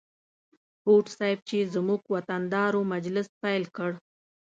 هوډ صیب چې زموږ وطن دار و مجلس پیل کړ.